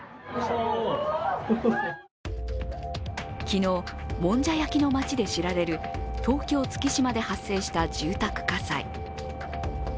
昨日、もんじゃ焼きの町で知られる東京・月島で発生した住宅火災。